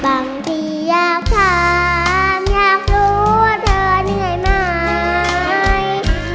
บางทีอยากถามอยากรู้ว่าเธอเหนื่อยไหม